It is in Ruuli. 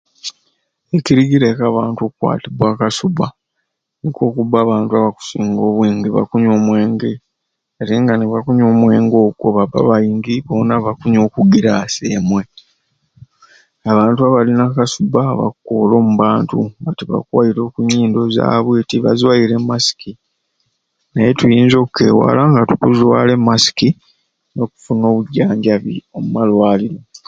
Ekirigireeku abantu okukwatibwa akasubba, nikwo okuba abantu abakusinga obwingi bakunywa omwenge atenga nibakunywa omwenge ogwo babba baingi bona nga bakunywa okugirasi emwei, abantu abalina akasubba bakukoola omubantu nga tibakwaite okunyindo zabwe, nga tibazwaire masiki, naye tuyinza okukewala nga tukuzwala emasiki nokufuna obujanjabi omumalwaliro.